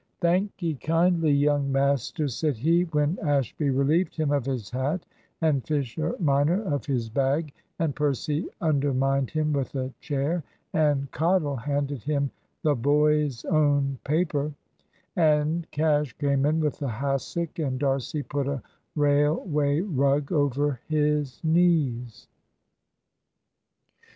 "Thank'ee kindly, young masters," said he, when Ashby relieved him of his hat and Fisher minor of his bag, and Percy undermined him with a chair, and Cottle handed him the Boy's Own Paper, and Cash came in with a hassock, and D'Arcy put a railway rug over his knees.